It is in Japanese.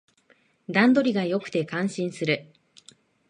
段取りが良くて感心する